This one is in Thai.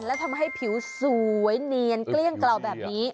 และทำให้ผิวสวยเนียนเกลี้ยงกล่าวแบบนี้